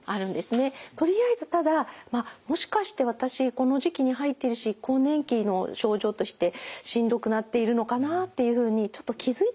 とりあえずただまあもしかして私この時期に入ってるし更年期の症状としてしんどくなっているのかなっていうふうにちょっと気付いていただく。